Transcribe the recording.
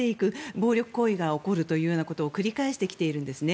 暴力行為が起こることを繰り返してきているんですね。